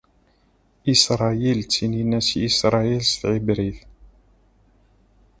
Isṛayil ttinin-as Yisrael s tɛebrit.